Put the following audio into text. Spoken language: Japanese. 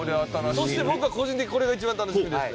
そして僕は個人的にこれが一番楽しみです。